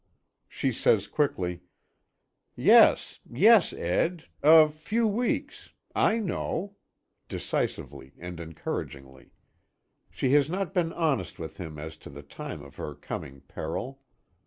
She says quickly: "Yes, yes, Ed. A few weeks I know," decisively and encouragingly. She has not been honest with him as to the time of her coming peril.